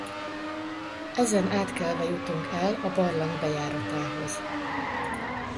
Ezen átkelve jutunk el a barlang bejáratához.